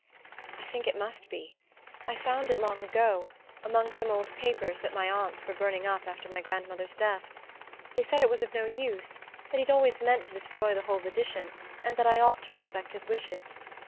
"I think it must be. I found it long ago, among some old papers that my aunts were burning up after my grandmother's death. They said it was of no use that he'd always meant to destroy the whole edition and that I ought to respect his wishes.